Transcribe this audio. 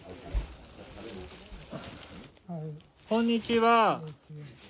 こんにちは。